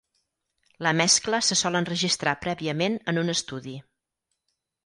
La mescla se sol enregistrar prèviament en un estudi.